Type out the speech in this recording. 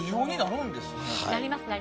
なります。